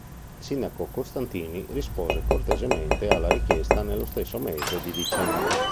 Il sindaco Costantini rispose cortesemente alla richiesta nello stesso mese di dicembre.